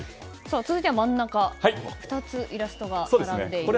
続いて真ん中、２つイラストが並んでいますが。